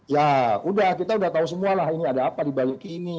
ya udah kita udah tahu semua lah ini ada apa dibalik ini